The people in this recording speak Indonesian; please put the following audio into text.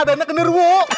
ada yang keneru